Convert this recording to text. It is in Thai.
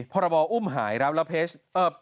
พรบออุ้มหายรับทรีย์